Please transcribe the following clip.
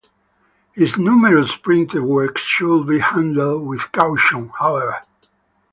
His numerous printed works should be handled with caution, however.